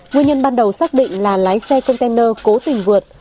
nguyên nhân ban đầu xác định là lái xe container cố tình vượt